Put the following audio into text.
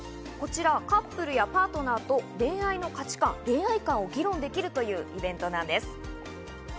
こちらカップルやパートナーと恋愛の価値観、恋愛観を議論できるというイベントなんです。